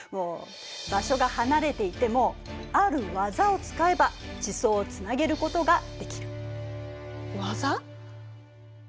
場所が離れていてもある技を使えば地層をつなげることができる。技？